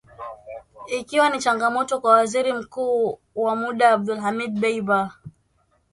Ikiwa ni changamoto kwa Waziri Mkuu wa muda Abdulhamid Dbeibah